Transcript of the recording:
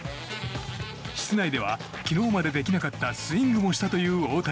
室内では、昨日までできなかったスイングもしたという大谷。